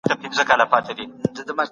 بهرنی سیاست یوه لار ده.